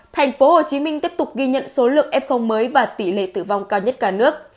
tp hcm tiếp tục ghi nhận số lượng f mới và tỷ lệ tử vong cao nhất cả nước